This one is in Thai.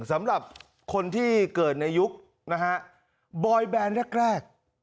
สำหรับคนที่เกิดในยุคนะฮะบอยแบนแรก